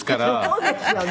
そうですよね。